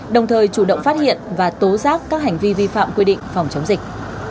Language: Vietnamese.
đồng thời chủ động phát hiện và tố giác các hành vi vi phạm quy định phòng chống dịch